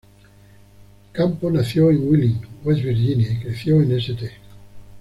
Campo nació en Wheeling, West Virginia, y creció en St.